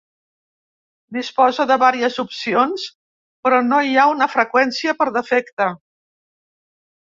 Disposa de varies opcions però no hi ha una freqüència per defecte.